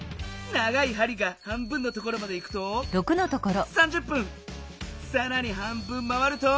長いはりが半分のところまでいくとさらに半分回ると。